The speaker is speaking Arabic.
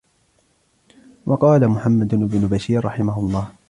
وَقَالَ مُحَمَّدُ بْنُ بَشِيرٍ رَحِمَهُ اللَّهُ